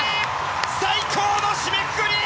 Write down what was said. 最高の締めくくり！